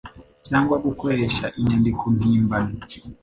cyangwa gukoresha inyandiko mpimbano